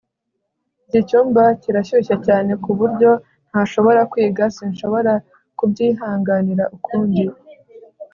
iki cyumba kirashyushye cyane ku buryo ntashobora kwiga. sinshobora kubyihanganira ukundi